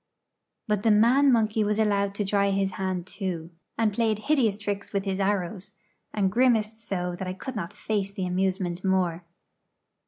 But the man monkey was allowed to try his hand too, and played hideous tricks with his arrows, and grimaced so that I could not face the amusement more.